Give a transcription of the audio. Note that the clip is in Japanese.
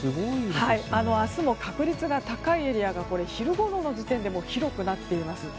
明日も確率が高いエリアが昼ごろの時点で広くなっています。